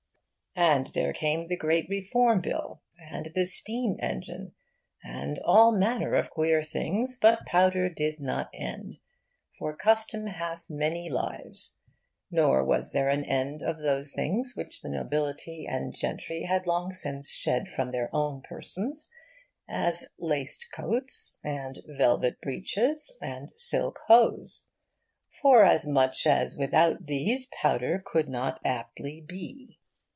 And there came the great Reform Bill, and the Steam Engine, and all manner of queer things, but powder did not end, for custom hath many lives. Nor was there an end of those things which the Nobility and Gentry had long since shed from their own persons as, laced coats and velvet breeches and silk hose; forasmuch as without these powder could not aptly be.